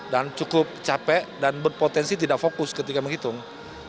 dan cukup capek dan berpotensi tidak fokus ketika menghitung